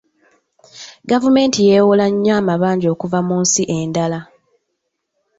Gavumenti yeewola nnyo amabanja okuva mu nsi endala.